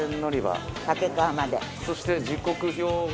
そして時刻表が。